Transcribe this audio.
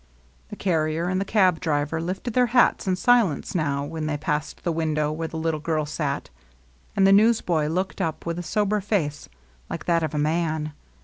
The carrier and the cab driver lifted their hats in silence now, when they passed the window where the little girl sat, and the newsboy looked up with a sober face, like that of a man.